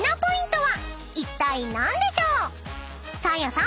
［サーヤさん